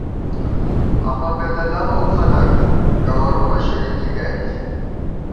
امہ پېدہ لَؤ خلَک ، گوَرُومہ شِڑِکی گئیت